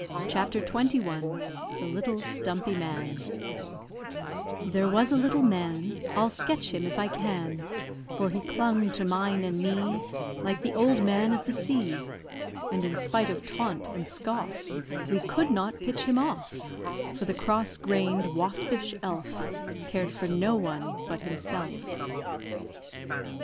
CHAPTER XXI THE LITTLE STUMPY MAN There was a little man I'll sketch him if I can, For he clung to mine and me Like the old man of the sea; And in spite of taunt and scoff We could not pitch him off, For the cross grained, waspish elf Cared for no one but himself.